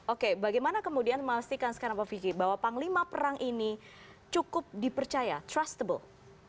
oke bagaimana kemudian memastikan sekarang pak vicky bahwa panglima perang ini cukup dipercaya trustable